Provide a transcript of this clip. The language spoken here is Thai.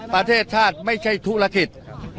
ประเทศชาติไม่ใช่ธุรกิจ